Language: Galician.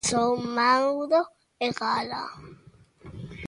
Son Mauro e Gala.